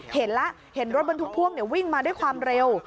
เห็นแล้วเห็นรถบรรทุกพ่วงวิ่งมาด้วยความเร็ว